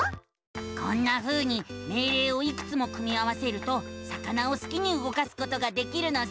こんなふうに命令をいくつも組み合わせると魚をすきに動かすことができるのさ！